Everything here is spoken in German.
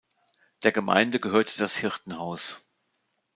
Der Gemeinde gehörte Das Hirtenhaus.